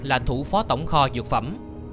là thủ phó tổng kho dược phẩm